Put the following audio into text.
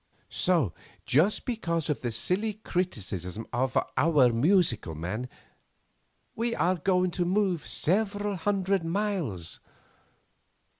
"So just because of the silly criticism of 'Our Musical Man' we are going to move several hundred miles.